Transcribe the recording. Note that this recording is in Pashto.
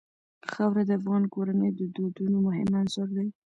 خاوره د افغان کورنیو د دودونو مهم عنصر دی.